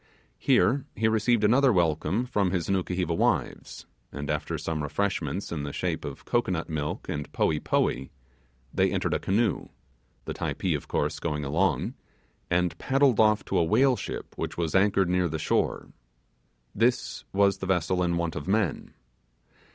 Here he received another welcome from his Nukuheva wives, and after some refreshments in the shape of cocoanut milk and poee poee, they entered a canoe (the Typee of course going along) and paddled off to a whaleship which was anchored near the shore. This was the vessel in want of men.